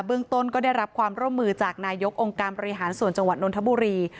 เรื่องต้นก็ได้รับความร่วมมือจากนายกองค์การบริหารส่วนจังหวัดนทบุรี